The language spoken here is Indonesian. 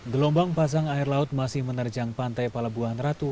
gelombang pasang air laut masih menerjang pantai palabuhan ratu